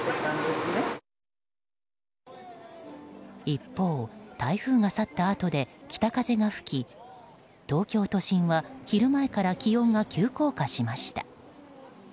一方、台風が去ったあとで北風が吹き東京都心は昼前から気温が急降下しました。